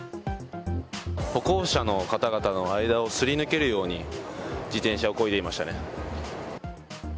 歩行者の方々の間をすり抜けるように自転車をこいでいましたね。